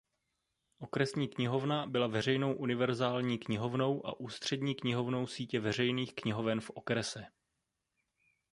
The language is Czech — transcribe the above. Okresní knihovna byla veřejnou univerzální knihovnou a ústřední knihovnou sítě veřejných knihoven v okrese.